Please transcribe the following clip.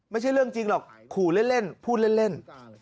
ไม่ใช่เรื่องจริงหรอกขู่เล่นพูดเล่น